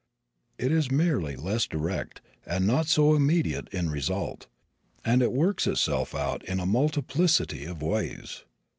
It is merely less direct, and not so immediate in result, and it works itself out in a multiplicity of ways.